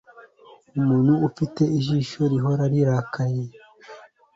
umuntu ufite ijisho rihora rirarikiye